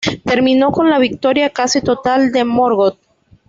Terminó con la victoria casi total de Morgoth.